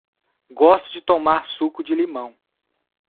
Gosto de tomar suco de limão.